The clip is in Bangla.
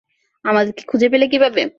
আমাদেরকে খুজে পেলে কিভাবে?